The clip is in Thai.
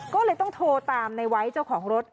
ก็เลยต้องโทรตามในไว้เจ้าของรถ